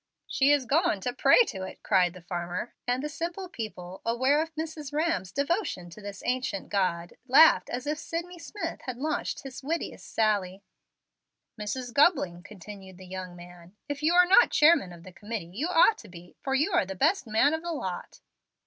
"She is going to pray to it," cried the farmer; and the simple people, aware of Mrs. Rhamm's devotion to this ancient god, laughed as if Sydney Smith had launched his wittiest sally. "Mrs. Gubling," continued the young man, "if you are not chairman of the committee, you ought to be, for you are the best man of the lot."